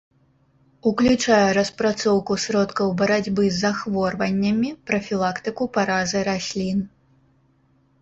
Уключае распрацоўку сродкаў барацьбы з захворваннямі, прафілактыку паразы раслін.